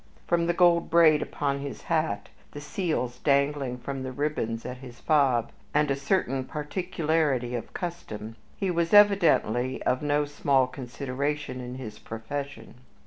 From the gold braid upon his hat, the seals dangling from the ribbon at his fob, and a certain particularity of custom, he was evidently one of no small consideration in his profession.